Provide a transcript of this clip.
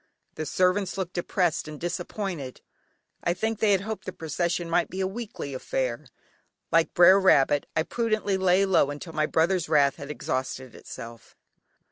The servants looked depressed and disappointed. I think they had hoped the procession might be a weekly affair. Like "Brer Rabbit," I prudently lay low until my brother's wrath had exhausted itself.